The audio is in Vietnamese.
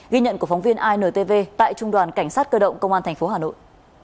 ghi nhận của phóng viên intv tại trung đoàn cảnh sát cơ động công an thành phố hà nội